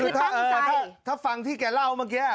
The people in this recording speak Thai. คือถ้าฟังที่แกเล่าเมื่อกี้